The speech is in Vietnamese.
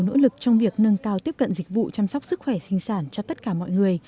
nỗ lực trong việc nâng cao tiếp cận dịch vụ chăm sóc sức khỏe sinh sản cho tất cả mọi người